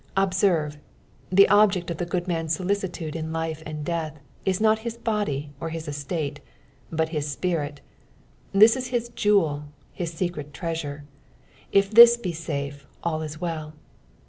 Observe, the object of the good man's solicitude in life and death is not his body or his estate, but his spirit ; this is his jewel, his secret treasure ; if this be safe, all is well.